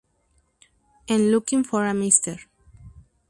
En "Looking for a Mr.